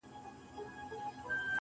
د اوښکو ته مو لپې لوښي کړې که نه.